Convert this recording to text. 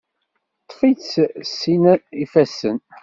Ṭṭef-itt s sin ifassen.